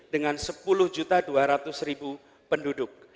dengan sepuluh dua ratus penduduk